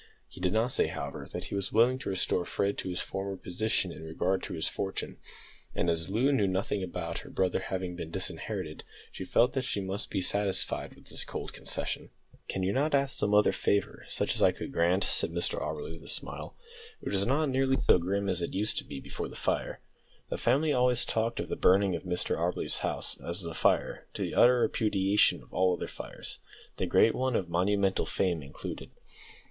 He did not say, however, that he was willing to restore Fred to his former position in regard to his fortune, and as Loo knew nothing about her brother having been disinherited, she felt that she must be satisfied with this cold concession. "Can you not ask some other favour, such as I could grant?" said Mr Auberly, with a smile, which was not nearly so grim as it used to be before "the fire." (The family always talked of the burning of Mr Auberly's house as "the fire," to the utter repudiation of all other fires the great one of monumental fame included.)